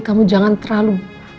kamu jangan terlalu